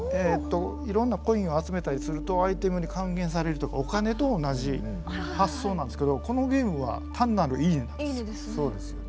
いろんなコインを集めたりするとアイテムに還元されるとかお金と同じ発想なんですけどこのゲームは単なる「いいね」なんですよ。